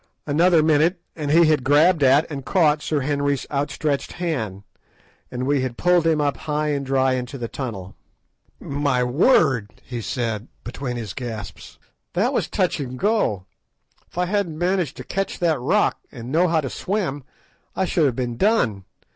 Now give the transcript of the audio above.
Another minute and he had grabbed at and caught Sir Henry's outstretched hand, and we had pulled him up high and dry into the tunnel. "My word!" he said, between his gasps, "that was touch and go. If I hadn't managed to catch that rock, and known how to swim, I should have been done.